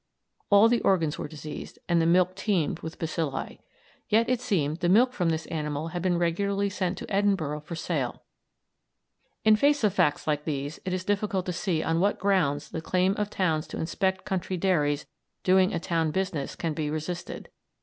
All the organs were diseased, and the milk teemed with bacilli. Yet, it seemed, the milk from this animal had been regularly sent into Edinburgh for sale. In face of facts like these, it is difficult to see on what grounds the claim of towns to inspect country dairies doing a town business can be resisted.